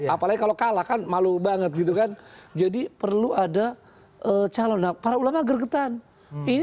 apalagi kalau kalah kan malu banget gitu kan jadi perlu ada calon para ulama gregetan ini